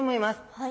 はい。